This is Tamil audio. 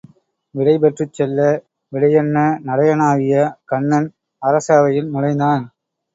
விடைபெற்றுச் செல்ல விடையன்ன நடையனாகிய கண்ணன் அரச அவையில் நுழைந்தான்.